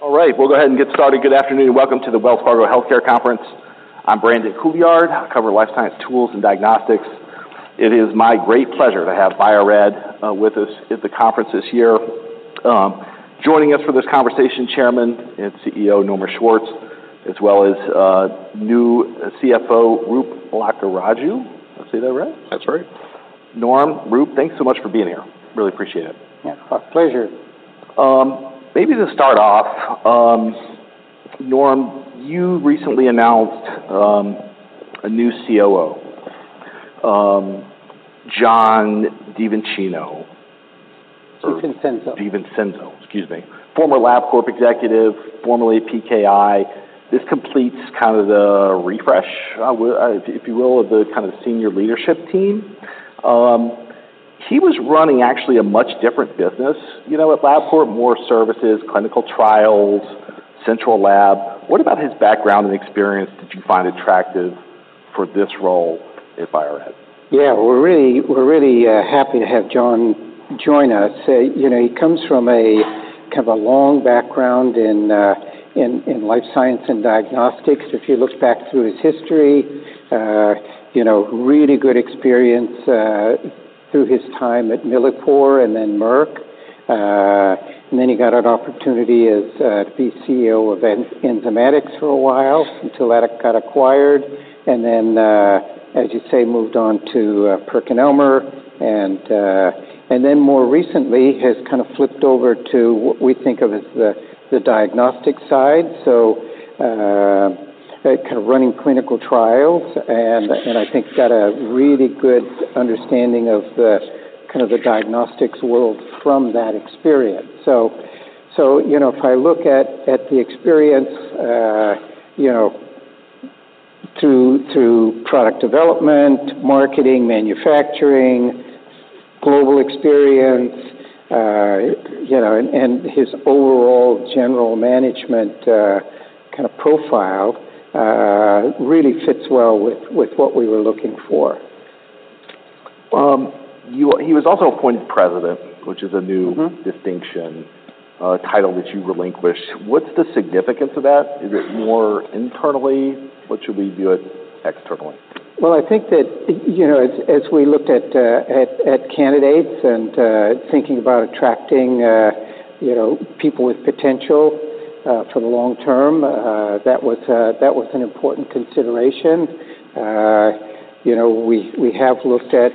All right, we'll go ahead and get started. Good afternoon. Welcome to the Wells Fargo Healthcare Conference. I'm Brandon Couillard. I cover life science tools and diagnostics. It is my great pleasure to have Bio-Rad with us at the conference this year. Joining us for this conversation, Chairman and CEO, Norm Schwartz, as well as new CFO, Roop Lakkaraju. Did I say that right? That's right. Norm, Roop, thanks so much for being here. Really appreciate it. Yeah, our pleasure. Maybe to start off, Norm, you recently announced a new COO, Jon DiVincenzo. DiVincenzo. DiVincenzo, excuse me. Former LabCorp executive, formerly PKI. This completes kind of the refresh, if you will, of the kind of senior leadership team. He was running actually a much different business, you know, at LabCorp, more services, clinical trials, central lab. What about his background and experience did you find attractive for this role at Bio-Rad? Yeah, we're really happy to have Jon join us. You know, he comes from a kind of long background in life science and diagnostics. If you look back through his history, you know, really good experience through his time at Millipore and then Merck, and then he got an opportunity to be CEO of Enzymatics for a while, until that got acquired, and then, as you say, moved on to PerkinElmer, and then more recently has kind of flipped over to what we think of as the diagnostic side. So, kind of running clinical trials, and I think got a really good understanding of the kind of diagnostics world from that experience. You know, if I look at the experience, you know, through product development, marketing, manufacturing, global experience, you know, and his overall general management kind of profile really fits well with what we were looking for. He was also appointed President, which is a new- Mm-hmm. Distinction, title that you relinquished. What's the significance of that? Is it more internally? What should we view it externally? Well, I think that, you know, as we looked at candidates and thinking about attracting, you know, people with potential for the long-term, that was an important consideration. You know, we have looked at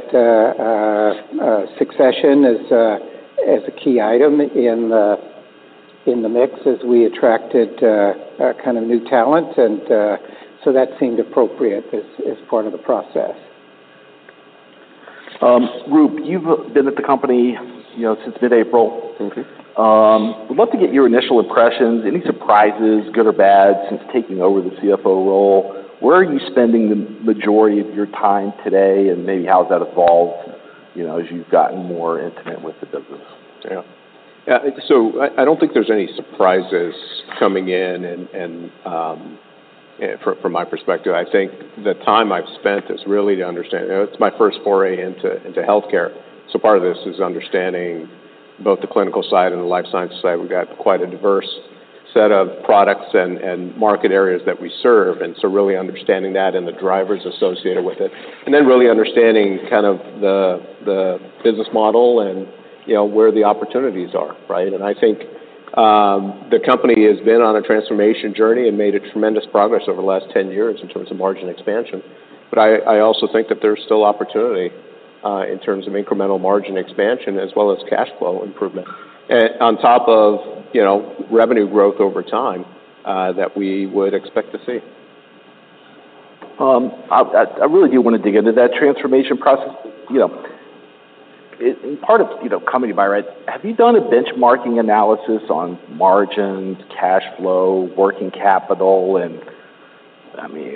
succession as a key item in the mix as we attracted kind of new talent, and so that seemed appropriate as part of the process. Roop, you've been at the company, you know, since mid-April. Mm-hmm. I want to get your initial impressions. Any surprises, good or bad, since taking over the CFO role? Where are you spending the majority of your time today, and maybe how has that evolved, you know, as you've gotten more intimate with the business? Yeah, so I don't think there's any surprises coming in from my perspective. I think the time I've spent is really to understand. You know, it's my first foray into healthcare, so part of this is understanding both the clinical side and the life sciences side. We've got quite a diverse set of products and market areas that we serve, and so really understanding that and the drivers associated with it, and then really understanding kind of the business model and, you know, where the opportunities are, right? I think the company has been on a transformation journey and made a tremendous progress over the last 10 years in terms of margin expansion. But I also think that there's still opportunity in terms of incremental margin expansion as well as cash flow improvement on top of, you know, revenue growth over time that we would expect to see. I really do want to dig into that transformation process. You know, and part of, you know, coming to Bio-Rad, have you done a benchmarking analysis on margins, cash flow, working capital? And, I mean,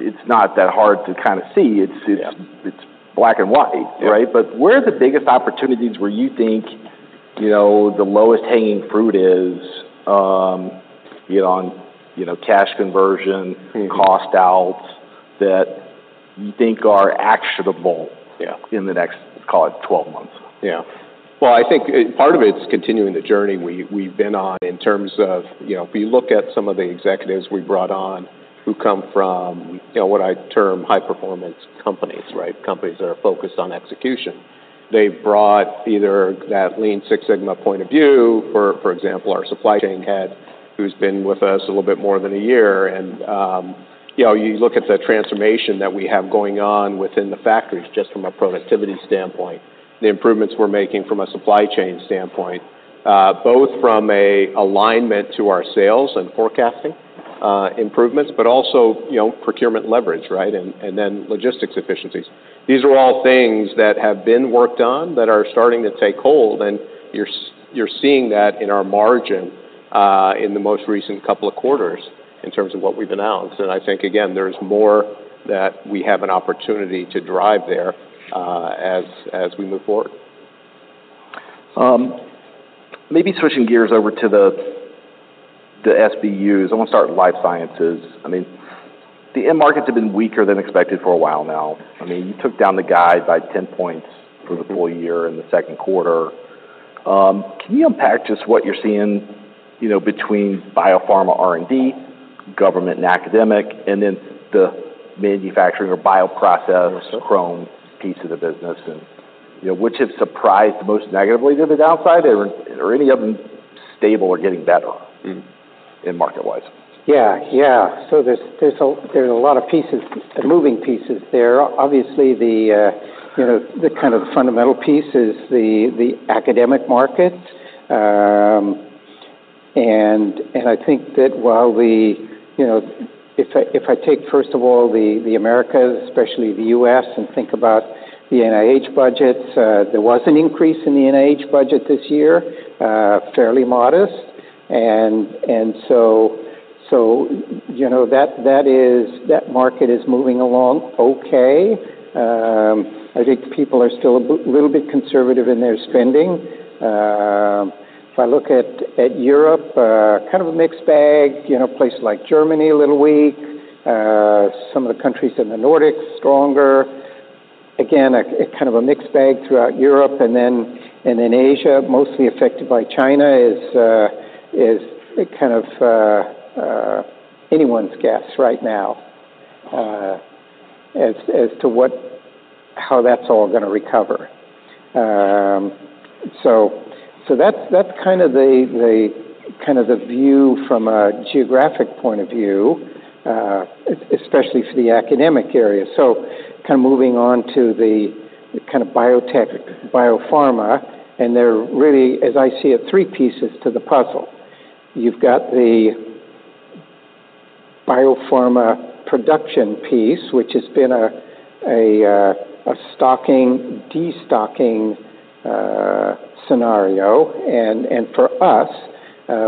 it's not that hard to kind of see. Yeah. It's black and white. Yeah. Right? But where are the biggest opportunities where you think, you know, the lowest hanging fruit is, you know, on, you know, cash conversion- Mm-hmm. - cost out, that you think are actionable- Yeah - in the next, call it, 12 months? Yeah. Well, I think part of it's continuing the journey we've been on in terms of, you know, if you look at some of the executives we brought on who come from, you know, what I term high-performance companies, right? Companies that are focused on execution. They've brought either that Lean Six Sigma point of view, for example, our supply chain head, who's been with us a little bit more than a year. And you know, you look at the transformation that we have going on within the factories, just from a productivity standpoint, the improvements we're making from a supply chain standpoint, both from an alignment to our sales and forecasting improvements, but also, you know, procurement leverage, right? And then logistics efficiencies. These are all things that have been worked on, that are starting to take hold, and you're seeing that in our margin, in the most recent couple of quarters, in terms of what we've announced. And I think, again, there's more that we have an opportunity to drive there, as we move forward. Maybe switching gears over to the SBUs. I want to start with life sciences. I mean, the end markets have been weaker than expected for a while now. I mean, you took down the guide by 10 points for the full year in the second quarter. Can you unpack just what you're seeing, you know, between biopharma R&D, government and academic, and then the manufacturing or bioprocess? Yes, sir. Chrom piece of the business, and, you know, which has surprised the most negatively to the downside? Or, are any of them stable or getting better in market-wise? Yeah. Yeah. So there's a lot of moving pieces there. Obviously, you know, the kind of fundamental piece is the academic market. And I think that while we, you know, if I take, first of all, the Americas, especially the U.S., and think about the NIH budgets, there was an increase in the NIH budget this year, fairly modest. And so, you know, that market is moving along okay. I think people are still a little bit conservative in their spending. If I look at Europe, kind of a mixed bag. You know, places like Germany, a little weak, some of the countries in the Nordics, stronger. Again, a kind of a mixed bag throughout Europe. And then in Asia, mostly affected by China, is kind of anyone's guess right now as to what, how that's all gonna recover. So that's kind of the view from a geographic point of view, especially for the academic area. So kind of moving on to the kind of biotech, biopharma, and there are really, as I see it, three pieces to the puzzle. You've got the biopharma production piece, which has been a stocking, destocking scenario. And for us,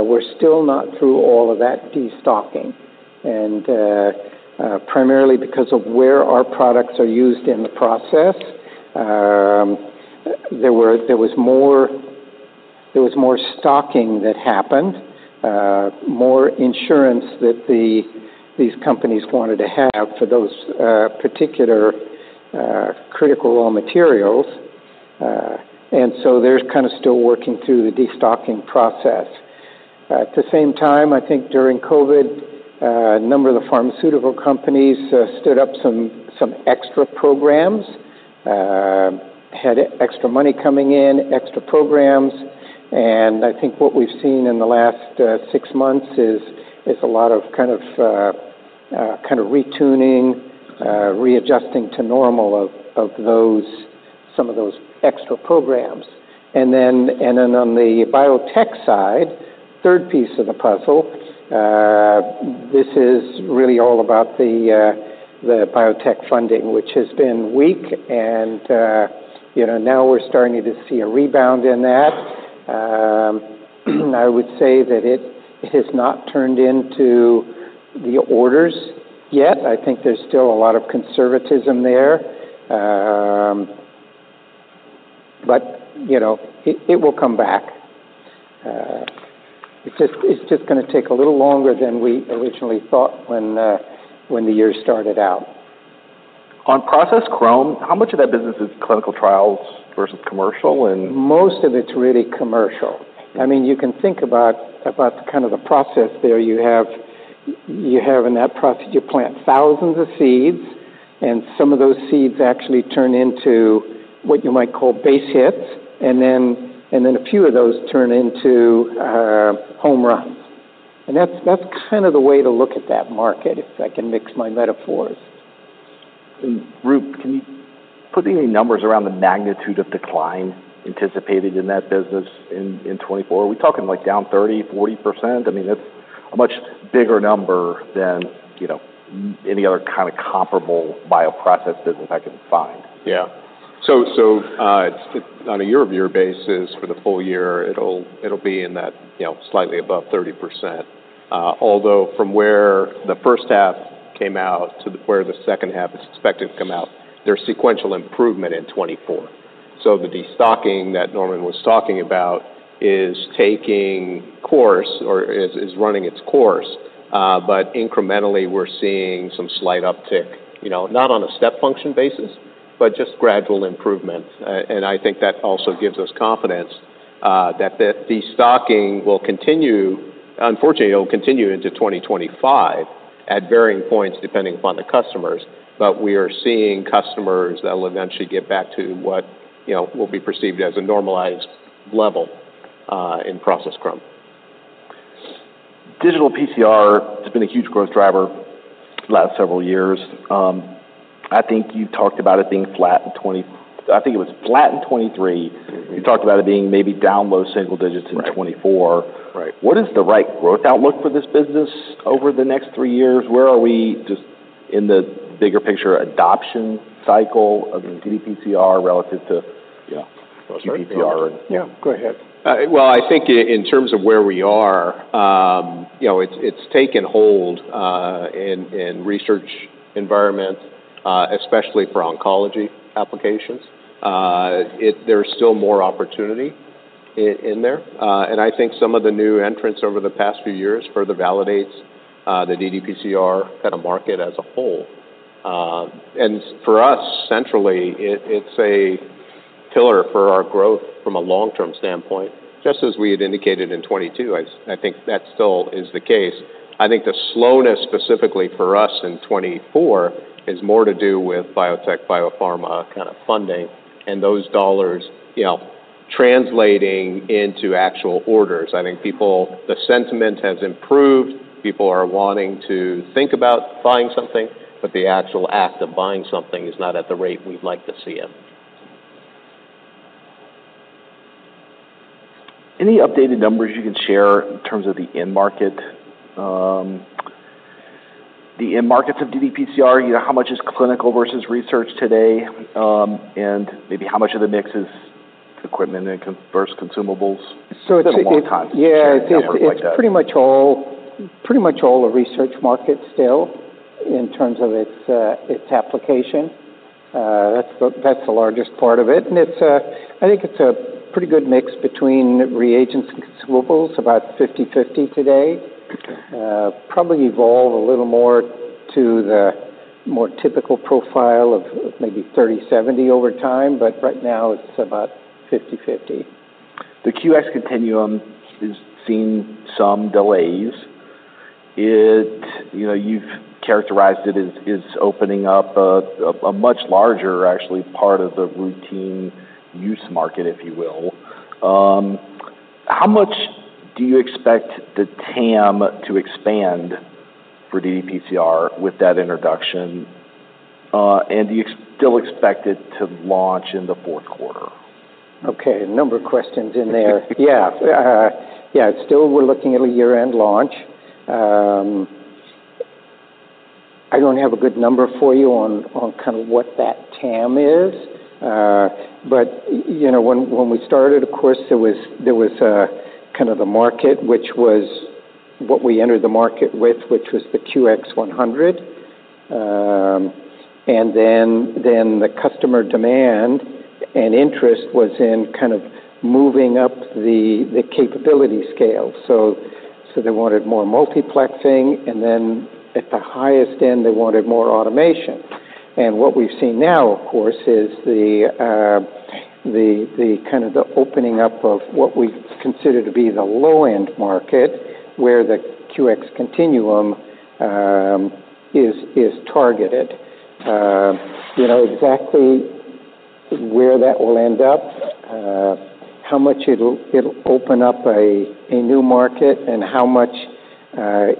we're still not through all of that destocking. And primarily because of where our products are used in the process, there was more stocking that happened, more insurance that these companies wanted to have for those particular critical raw materials. And so they're kind of still working through the destocking process. At the same time, I think during COVID, a number of the pharmaceutical companies stood up some extra programs, had extra money coming in, extra programs, and I think what we've seen in the last six months is a lot of kind of kind retuning, readjusting to normal of those some of those extra programs. And then on the biotech side, third piece of the puzzle, this is really all about the biotech funding, which has been weak, and, you know, now we're starting to see a rebound in that. I would say that it has not turned into the orders yet. I think there's still a lot of conservatism there. But, you know, it will come back. It's just gonna take a little longer than we originally thought when the year started out. On process chromatography, how much of that business is clinical trials versus commercial, and- Most of it's really commercial. I mean, you can think about kind of the process there. You have in that process you plant thousands of seeds, and some of those seeds actually turn into what you might call base hits, and then a few of those turn into home runs, and that's kind of the way to look at that market, if I can mix my metaphors. Roop, can you put any numbers around the magnitude of decline anticipated in that business in 2024? Are we talking, like, down 30%-40%? I mean, that's a much bigger number than, you know, many other kind of comparable bioprocess business I can find. Yeah. So on a year-over-year basis for the full year, it'll be in that, you know, slightly above 30%. Although from where the first half came out to where the second half is expected to come out, there's sequential improvement in 2024. So the destocking that Norman was talking about is taking course, or is running its course, but incrementally, we're seeing some slight uptick. You know, not on a step function basis, but just gradual improvement. And I think that also gives us confidence that the destocking will continue. Unfortunately, it will continue into 2025 at varying points, depending upon the customers, but we are seeing customers that will eventually get back to what, you know, will be perceived as a normalized level, in process chromatography. Digital PCR has been a huge growth driver the last several years. I think you talked about it being flat in 2023. Mm-hmm. You talked about it being maybe down low single digits in 2024. Right. What is the right growth outlook for this business over the next three years? Where are we, just in the bigger picture, adoption cycle of dPCR relative to- Yeah. qPCR? Yeah, go ahead. I think in terms of where we are, you know, it's taken hold in research environments, especially for oncology applications. There's still more opportunity in there. And I think some of the new entrants over the past few years further validates the ddPCR kind of market as a whole. And for us, centrally, it's a pillar for our growth from a long-term standpoint, just as we had indicated in 2022. I think that still is the case. I think the slowness, specifically for us in 2024, is more to do with biotech, biopharma kind of funding, and those dollars, you know, translating into actual orders. I think the sentiment has improved. People are wanting to think about buying something, but the actual act of buying something is not at the rate we'd like to see it. Any updated numbers you can share in terms of the end market, the end markets of ddPCR? You know, how much is clinical versus research today, and maybe how much of the mix is equipment and consumables versus consumables? So it's a- Been a long time since you shared a number like that. Yeah, it's pretty much all, pretty much all a research market still, in terms of its application. That's the largest part of it, and it's a pretty good mix between reagents and consumables, about 50/50 today. It will probably evolve a little more to the more typical profile of maybe 30/70 over time, but right now, it's about 50/50. The QX Continuum has seen some delays. You know, you've characterized it as opening up a much larger, actually, part of the routine use market, if you will. How much do you expect the TAM to expand for ddPCR with that introduction, and do you still expect it to launch in the fourth quarter? Okay, a number of questions in there. Yeah. Yeah, still we're looking at a year-end launch. I don't have a good number for you on kind of what that TAM is, but you know, when we started, of course, there was a kind of the market, which was what we entered the market with, which was the QX100. And then the customer demand and interest was in kind of moving up the capability scale. So they wanted more multiplexing, and then at the highest end, they wanted more automation. And what we've seen now, of course, is the kind of the opening up of what we consider to be the low-end market, where the QX Continuum is targeted. You know exactly where that will end up, how much it'll open up a new market and how much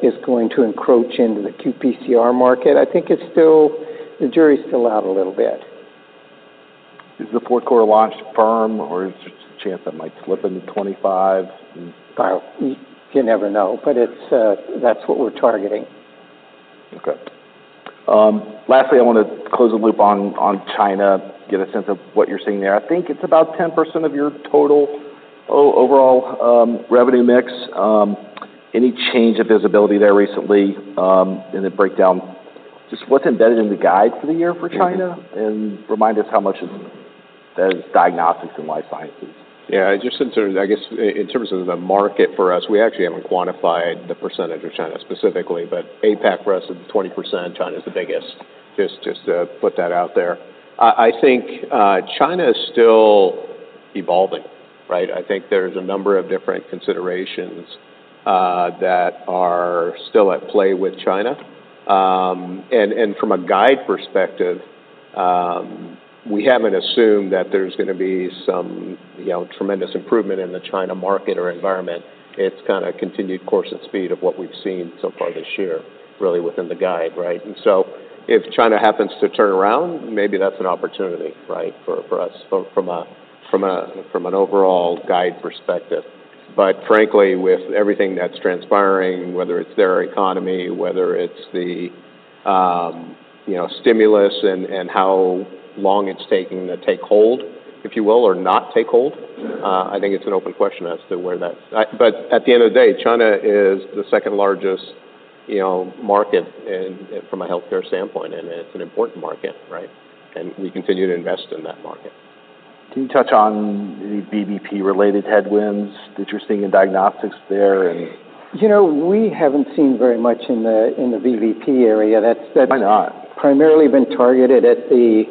is going to encroach into the qPCR market. I think it's still... the jury's still out a little bit. Is the fourth quarter launch firm, or is there a chance that might slip into 2025? You never know, but it's, that's what we're targeting. Okay. Lastly, I want to close the loop on China, get a sense of what you're seeing there. I think it's about 10% of your total overall revenue mix. Any change of visibility there recently in the breakdown? Just what's embedded in the guide for the year for China- Mm-hmm. - and remind us how much is diagnostics and life sciences? Yeah, just in terms, I guess, in terms of the market for us, we actually haven't quantified the percentage of China specifically, but APAC for us is 20%. China is the biggest, just to put that out there. I think China is still evolving, right? I think there's a number of different considerations that are still at play with China. And from a guide perspective, we haven't assumed that there's gonna be some, you know, tremendous improvement in the China market or environment. It's kind of continued course and speed of what we've seen so far this year, really within the guide, right? And so if China happens to turn around, maybe that's an opportunity, right, for us from an overall guide perspective. But frankly, with everything that's transpiring, whether it's their economy, whether it's the, you know, stimulus and how long it's taking to take hold, if you will, or not take hold. Mm-hmm. I think it's an open question as to where that... but at the end of the day, China is the second largest, you know, market in, from a healthcare standpoint, and it's an important market, right, and we continue to invest in that market. Can you touch on the VBP-related headwinds that you're seeing in diagnostics there and? You know, we haven't seen very much in the VBP area. That's- Why not? primarily been targeted at the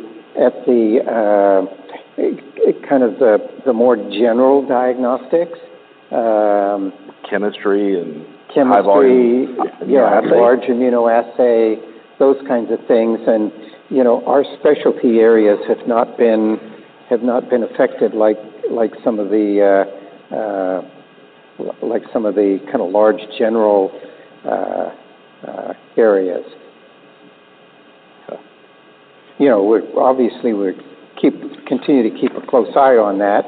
kind of the more general diagnostics. Chemistry and- Chemistry- High volume Yeah, large immunoassay, those kinds of things. You know, our specialty areas have not been affected like some of the kind of large general areas. You know, obviously, we continue to keep a close eye on that.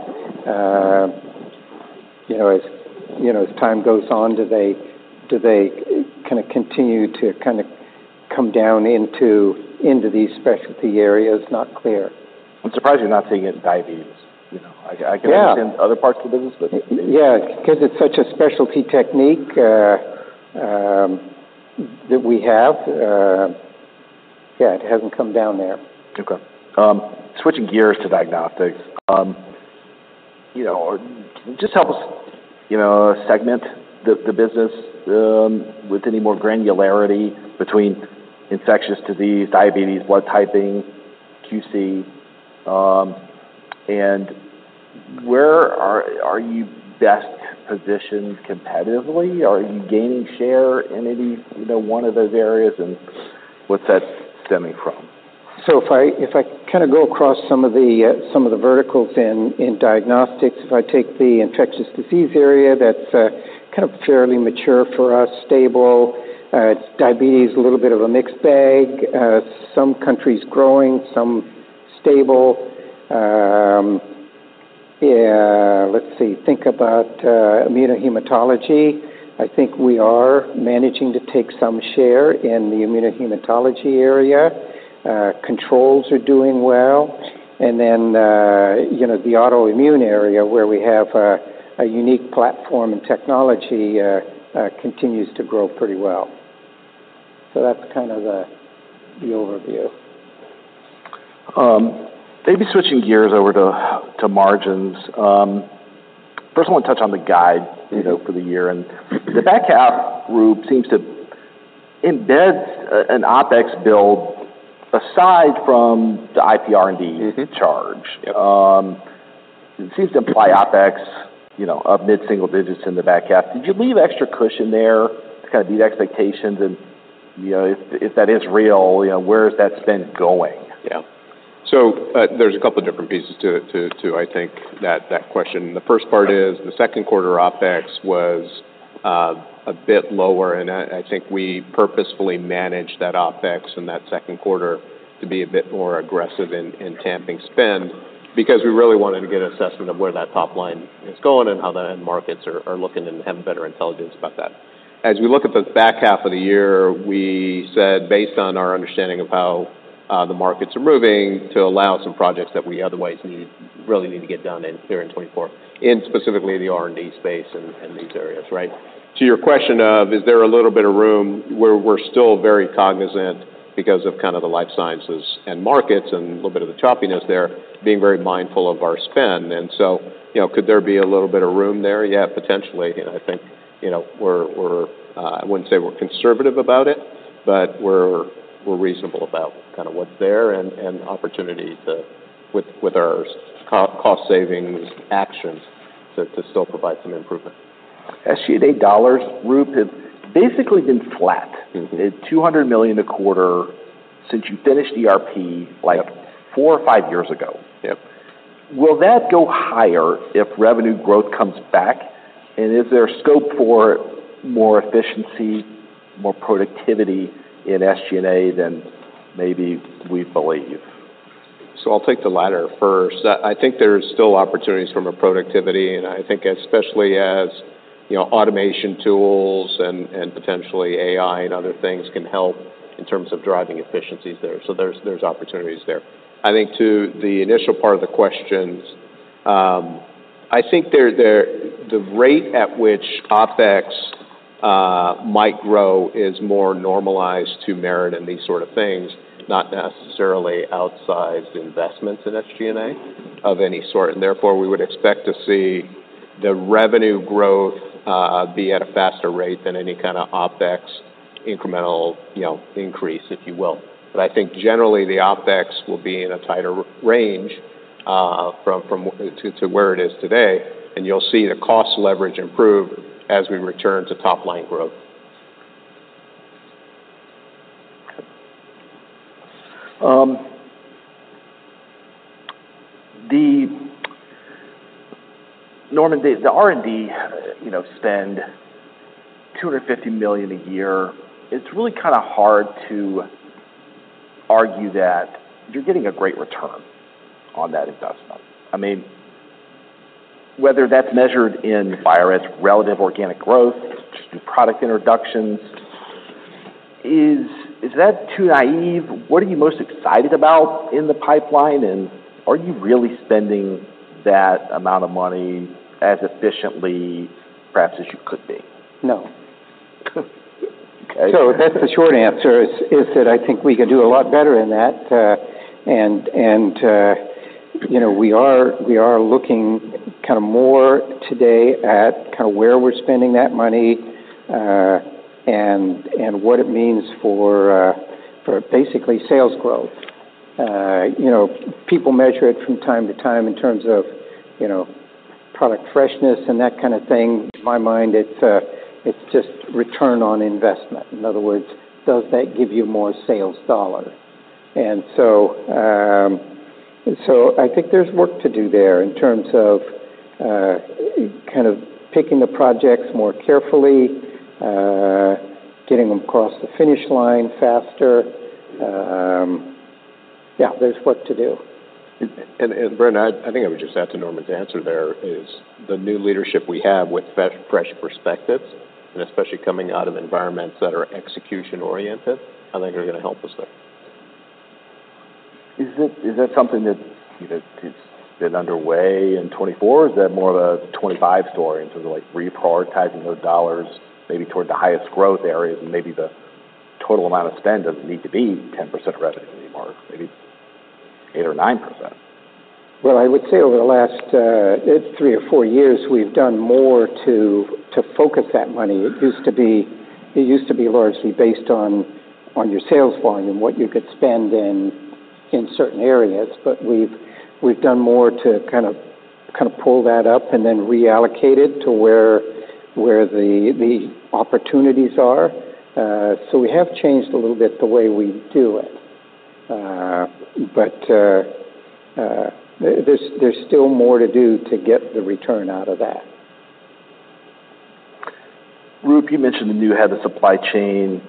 You know, as you know, as time goes on, do they kind of continue to kind of come down into these specialty areas? Not clear. I'm surprised you're not seeing it in diabetes, you know. I- Yeah can understand other parts of the business, but maybe- Yeah, 'cause it's such a specialty technique that we have. Yeah, it hasn't come down there. Okay. Switching gears to diagnostics, you know, or just help us, you know, segment the business with any more granularity between infectious disease, diabetes, blood typing, QC, and where are you best positioned competitively? Are you gaining share in any, you know, one of those areas, and what's that stemming from? So if I, if I kind of go across some of the, some of the verticals in, in diagnostics, if I take the infectious disease area, that's kind of fairly mature for us, stable. It's diabetes, a little bit of a mixed bag. Some countries growing, some stable. Let's see, think about, immunohematology. I think we are managing to take some share in the immunohematology area. Controls are doing well. And then, you know, the autoimmune area, where we have a, a unique platform and technology, continues to grow pretty well. So that's kind of the, the overview. Maybe switching gears over to margins. First, I want to touch on the guide, you know, for the year. And the back half, Roop, seems to embed an OpEx build aside from the IPR&D- Mm-hmm. - charge. Yep. It seems to imply OpEx, you know, of mid-single digits in the back half. Did you leave extra cushion there to kind of meet expectations and, you know, if that is real, you know, where is that spend going? Yeah. So, there's a couple different pieces to, I think, that question. The first part is, the second quarter OpEx was a bit lower, and I think we purposefully managed that OpEx in that second quarter to be a bit more aggressive in tamping spend because we really wanted to get an assessment of where that top line is going and how the end markets are looking and have better intelligence about that. As we look at the back half of the year, we said, based on our understanding of how the markets are moving, to allow some projects that we otherwise really need to get done in 2024, specifically the R&D space and these areas, right? To your question of, is there a little bit of room, we're still very cognizant because of kind of the life sciences and markets and a little bit of the choppiness there, being very mindful of our spend. And so, you know, could there be a little bit of room there? Yeah, potentially, and I think, you know, I wouldn't say we're conservative about it, but we're reasonable about kind of what's there and opportunities with our cost-saving actions to still provide some improvement. SG&A dollars, Roop, have basically been flat. Mm-hmm. $200 million a quarter since you finished ERP, like- Yep Four or five years ago. Yep. Will that go higher if revenue growth comes back? And is there scope for more efficiency, more productivity in SG&A than maybe we believe? I'll take the latter first. I think there's still opportunities from a productivity, and I think especially as you know, automation tools and potentially AI and other things can help in terms of driving efficiencies there. So there's opportunities there. I think to the initial part of the questions, I think the rate at which OpEx might grow is more normalized to merit in these sort of things, not necessarily outsized investments in SG&A of any sort. And therefore, we would expect to see the revenue growth be at a faster rate than any kind of OpEx incremental, you know, increase, if you will. But I think generally, the OpEx will be in a tighter range from to where it is today, and you'll see the cost leverage improve as we return to top-line growth. Okay. Norman, the R&D, you know, spend $250 million a year, it's really kind of hard to argue that you're getting a great return on that investment. I mean, whether that's measured in versus relative organic growth, just in product introductions, is that too naive? What are you most excited about in the pipeline, and are you really spending that amount of money as efficiently, perhaps, as you could be? No. Okay. So that's the short answer, is that I think we can do a lot better in that. And you know, we are looking kind of more today at kind of where we're spending that money, and what it means for basically sales growth. You know, people measure it from time to time in terms of, you know, product freshness and that kind of thing. In my mind, it's just return on investment. In other words, does that give you more sales dollars? And so, I think there's work to do there in terms of, kind of picking the projects more carefully, getting them across the finish line faster. Yeah, there's work to do. And Brandon, I think I would just add to Norman's answer there, is the new leadership we have with fresh perspectives, and especially coming out of environments that are execution-oriented, I think are going to help us there. Is that something that, you know, it's been underway in 2024? Or is that more of a 2025 story in terms of, like, reprioritizing those dollars maybe toward the highest growth areas, and maybe the total amount of spend doesn't need to be 10% of revenue anymore, maybe 8% or 9%? Well, I would say over the last three or four years, we've done more to focus that money. It used to be largely based on your sales volume, what you could spend in certain areas. But we've done more to kind of pull that up and then reallocate it to where the opportunities are. So we have changed a little bit the way we do it. But there's still more to do to get the return out of that. Roop, you mentioned the new head of supply chain,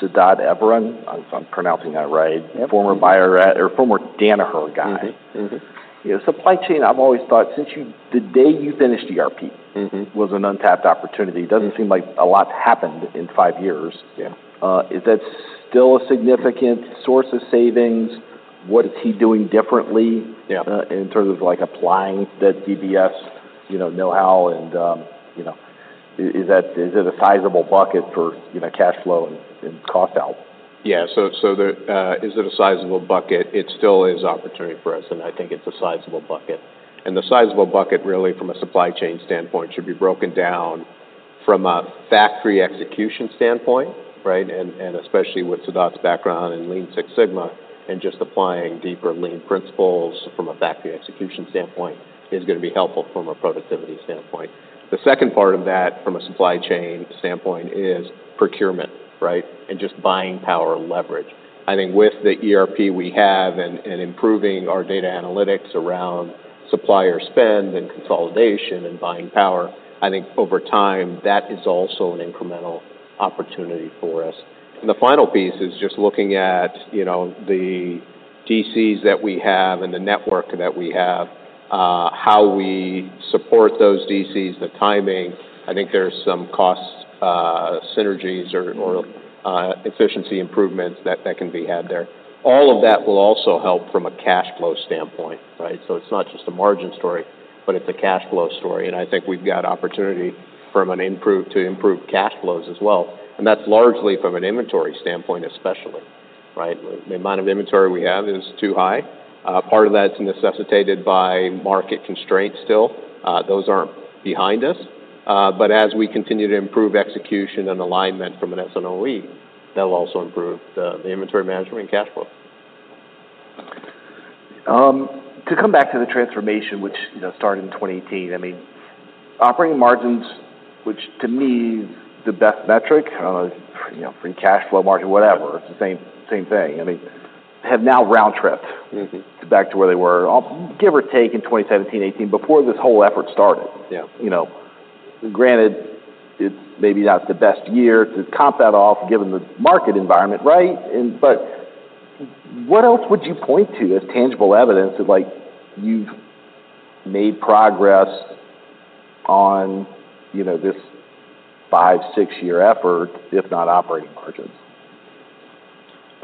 Sedat Erdonmez, if I'm pronouncing that right? Yep. Former Bayer at-- or former Danaher guy. Mm-hmm. Mm-hmm. You know, supply chain, I've always thought since the day you finished ERP- Mm-hmm. was an untapped opportunity. Mm-hmm. Doesn't seem like a lot's happened in five years. Yeah. Is that still a significant source of savings? What is he doing differently- Yeah. In terms of, like, applying that DBS know-how and, you know. Is it a sizable bucket for, you know, cash flow and cost out? Yeah. So, is it a sizable bucket? It still is opportunity for us, and I think it's a sizable bucket. And the sizable bucket, really, from a supply chain standpoint, should be broken down from a factory execution standpoint, right? And especially with Sedat's background in Lean Six Sigma, and just applying deeper Lean principles from a factory execution standpoint is gonna be helpful from a productivity standpoint. The second part of that, from a supply chain standpoint, is procurement, right? And just buying power leverage. I think with the ERP we have and improving our data analytics around supplier spend and consolidation and buying power, I think over time, that is also an incremental opportunity for us. And the final piece is just looking at, you know, the DCs that we have and the network that we have, how we support those DCs, the timing. I think there's some cost synergies or efficiency improvements that can be had there. All of that will also help from a cash flow standpoint, right? So it's not just a margin story, but it's a cash flow story, and I think we've got opportunity to improve cash flows as well, and that's largely from an inventory standpoint, especially, right? The amount of inventory we have is too high. Part of that's necessitated by market constraints still. Those aren't behind us. But as we continue to improve execution and alignment from an S&OE, that'll also improve the inventory management and cash flow. To come back to the transformation which, you know, started in 2018, I mean, operating margins, which to me, the best metric, you know, free cash flow margin, whatever, it's the same, same thing, I mean, have now round-tripped- Mm-hmm. back to where they were, give or take, in 2017, 2018, before this whole effort started. Yeah. You know, granted, it's maybe not the best year to comp that off, given the market environment, right? And but what else would you point to as tangible evidence of, like, you've made progress on, you know, this five, six-year effort, if not operating margins?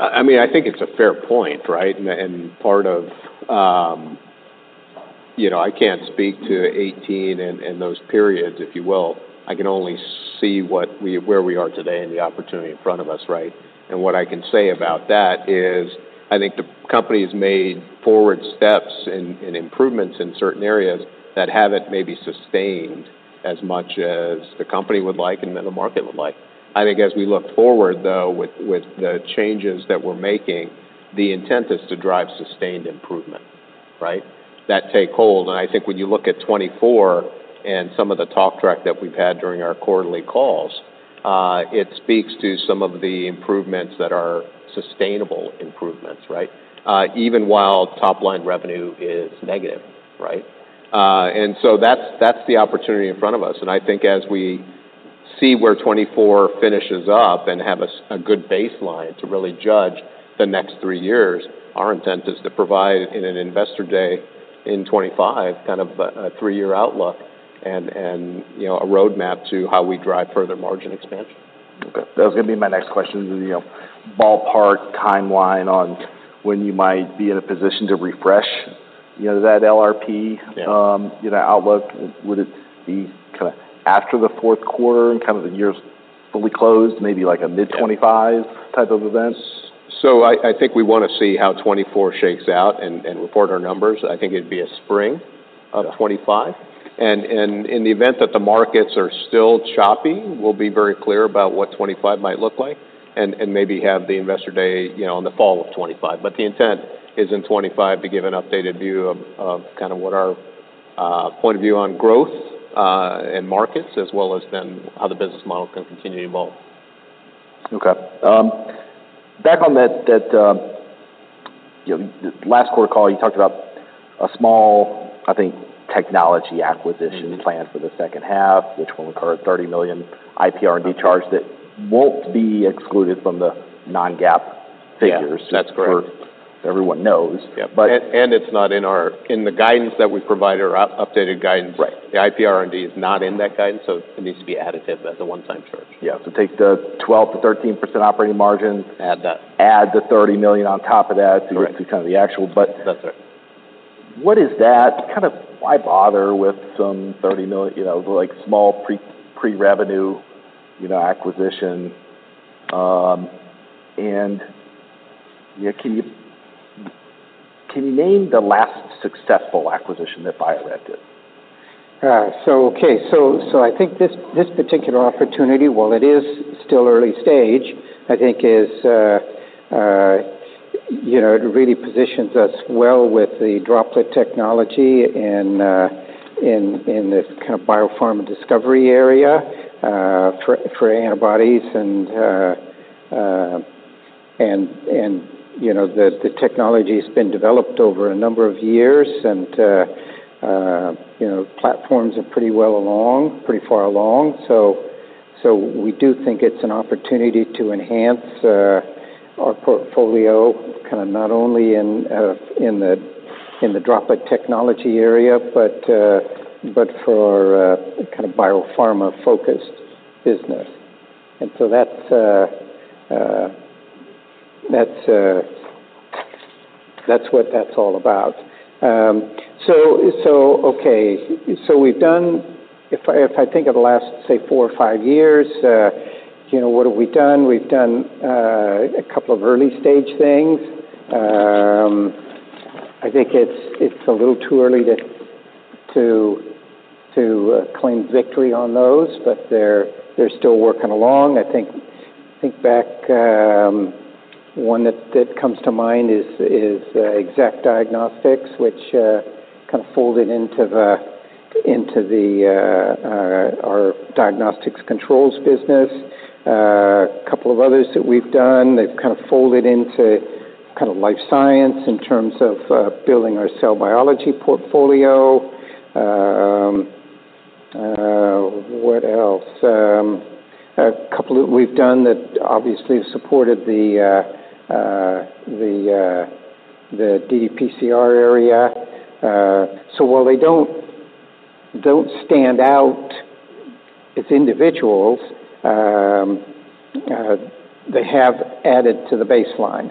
I mean, I think it's a fair point, right? And part of, you know, I can't speak to eighteen and those periods, if you will. I can only see where we are today and the opportunity in front of us, right? And what I can say about that is, I think the company has made forward steps and improvements in certain areas that haven't maybe sustained as much as the company would like and then the market would like. I think as we look forward, though, with the changes that we're making, the intent is to drive sustained improvement, right? That take hold, and I think when you look at 2024 and some of the talk track that we've had during our quarterly calls, it speaks to some of the improvements that are sustainable improvements, right? Even while top line revenue is negative, right? And so that's the opportunity in front of us, and I think as we see where 2024 finishes up and have a good baseline to really judge the next three years, our intent is to provide, in an investor day in 2025, kind of a three-year outlook and, you know, a roadmap to how we drive further margin expansion. Okay. That was gonna be my next question is, you know, ballpark timeline on when you might be in a position to refresh, you know, that LRP- Yeah... you know, outlook. Would it be kinda after the fourth quarter and kind of the year's fully closed, maybe like a mid- Yeah ..2025 type of event? I think we wanna see how 2024 shakes out and report our numbers. I think it'd be a spring- Okay End of 2025. And in the event that the markets are still choppy, we'll be very clear about what 2025 might look like and maybe have the investor day, you know, in the fall of 2025. But the intent is in 2025 to give an updated view of kind of what our point of view on growth and markets, as well as then how the business model can continue to evolve. Okay. Back on that, you know, last quarter call, you talked about a small, I think, technology acquisition- Mm-hmm Planned for the second half, which will incur a $30 million IPR&D charge that won't be excluded from the non-GAAP figures. Yeah, that's correct. Everyone knows. Yeah. But- It's not in our guidance that we provided or updated guidance. Right... the IPR&D is not in that guidance, so it needs to be additive as a one-time charge. Yeah. So take the 12%-13% operating margin- Add that. Add the $30 million on top of that. Right to get to kind of the actual, but That's it. What is that? Kind of why bother with some $30 million, you know, like, small pre-revenue, you know, acquisition, and, yeah, can you name the last successful acquisition that Bio-Rad did? So, okay. So, I think this particular opportunity, while it is still early stage, I think is, you know, it really positions us well with the droplet technology in, in this kind of biopharma discovery area, for antibodies and, and, you know, the technology has been developed over a number of years, and, you know, platforms are pretty well along, pretty far along. So, we do think it's an opportunity to enhance our portfolio, kind of not only in, in the droplet technology area, but for kind of biopharma-focused business. And so that's, that's what that's all about. So, okay, so we've done... If I think of the last, say, four or five years, you know, what have we done? We've done a couple of early stage things. I think it's a little too early to claim victory on those, but they're still working along. I think back, one that comes to mind is Exact Diagnostics, which kind of folded into our diagnostics controls business. A couple of others that we've done, they've kind of folded into kind of life science in terms of building our cell biology portfolio. What else? A couple that we've done that obviously have supported the ddPCR area. So while they don't stand out as individuals, they have added to the baseline.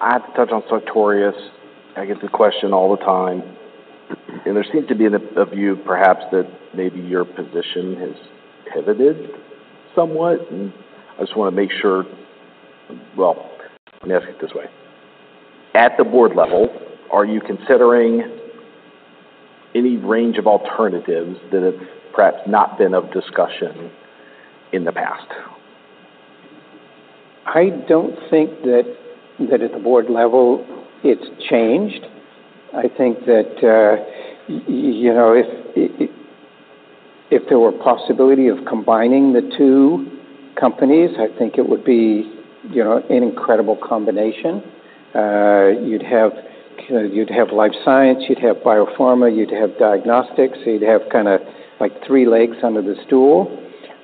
I have to touch on Sartorius. I get the question all the time, and there seems to be a view, perhaps, that maybe your position has pivoted somewhat. I just wanna make sure... Well, let me ask it this way. At the board level, are you considering any range of alternatives that have perhaps not been of discussion in the past? I don't think that, that at the board level, it's changed. I think that, you know, if, if there were possibility of combining the two companies, I think it would be, you know, an incredible combination. You'd have, you'd have life science, you'd have biopharma, you'd have diagnostics, you'd have kind of like three legs under the stool.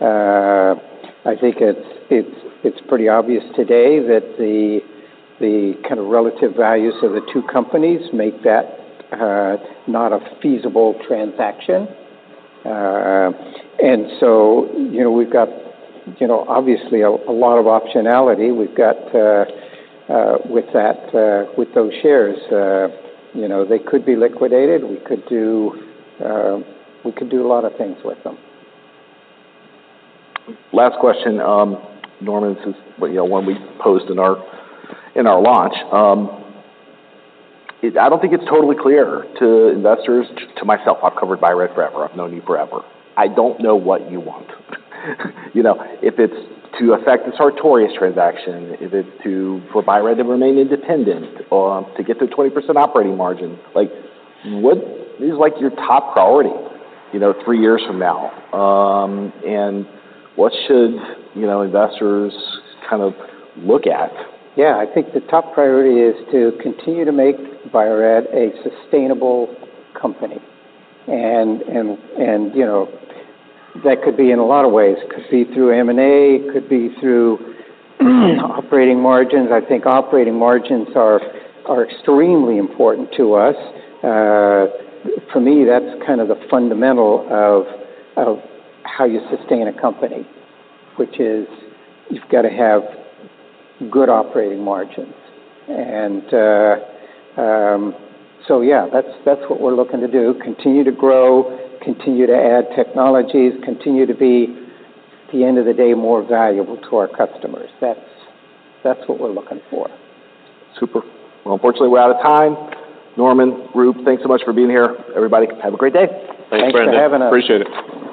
I think it's, it's, it's pretty obvious today that the, the kind of relative values of the two companies make that, not a feasible transaction. And so, you know, we've got, you know, obviously a, a lot of optionality. We've got, with that, with those shares, you know, they could be liquidated. We could do, we could do a lot of things with them. Last question, Norman, this is, you know, one we posed in our launch. I don't think it's totally clear to investors, to myself, I've covered Bio-Rad forever. I've known you forever. I don't know what you want. You know, if it's to affect the Sartorius transaction, if it's to, for Bio-Rad to remain independent or to get to 20% operating margin, like, what is, like, your top priority, you know, three years from now? And what should, you know, investors kind of look at? Yeah, I think the top priority is to continue to make Bio-Rad a sustainable company. You know, that could be in a lot of ways. It could be through M&A, it could be through operating margins. I think operating margins are extremely important to us. For me, that's kind of the fundamental of how you sustain a company, which is you've got to have good operating margins, so yeah, that's what we're looking to do: continue to grow, continue to add technologies, continue to be, at the end of the day, more valuable to our customers. That's what we're looking for. Super. Well, unfortunately, we're out of time. Norman, Roop, thanks so much for being here. Everybody, have a great day. Thanks, Brandon. Thanks for having us. Appreciate it.